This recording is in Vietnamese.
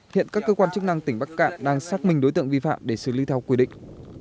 hiện các cơ quan chức năng tỉnh bắc cạn đang xác minh đối tượng vi phạm để xử lý theo quy định